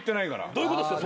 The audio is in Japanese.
どういうことっすか？